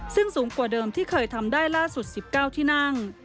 ซึ่งสูงกว่าเดิมที่เคยทำได้ล่าสุด๑๙ที่นั่ง